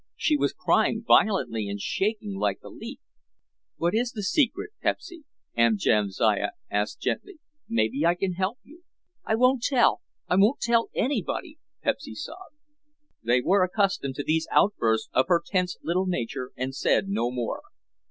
She was crying violently and shaking like a leaf. "What is the secret, Pepsy?" Aunt Jamsiah asked gently; "maybe I can help you." "I won't tell—I won't tell anybody," Pepsy sobbed. They were accustomed to these outbursts of her tense little nature and said no more.